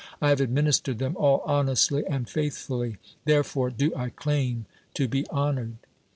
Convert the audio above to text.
1 have administered them all honestly and faithfully. Therefore do I claim to be honored.